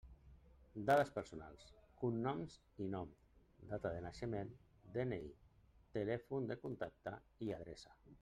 Dades personals: cognoms i nom, data de naixement, DNI, telèfon de contacte i adreça.